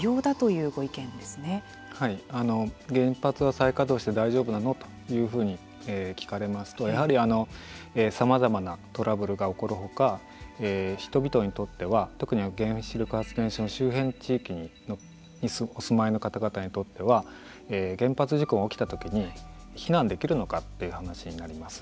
原発は再稼働して大丈夫なのかというふうに聞かれますとやはりさまざまなトラブルが起こる他人々にとっては特に原子力発電所の周辺地域にお住まいの方々にとっては原発事故が起きた時に避難できるのかという話になります。